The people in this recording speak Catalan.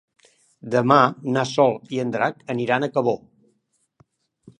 Demà na Sol i en Drac aniran a Cabó.